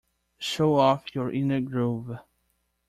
Show off your inner groove.